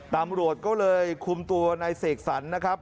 ตำรวจก็เลยคุมตัวนายเสกสรรนะครับ